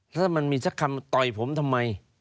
แล้วมันมีสักคำต่อยผมทำไม